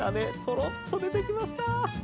トロッと出てきました。